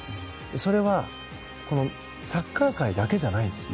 それは、このサッカー界だけじゃないんです。